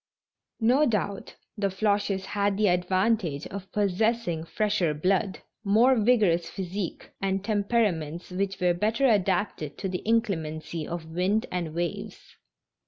No doubt the Floches had the advantage of possessing fresher blood, more vigorous physiques, and temperaments which were better adapted to the inclemency of wind and waves.